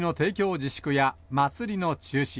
自粛や祭りの中止。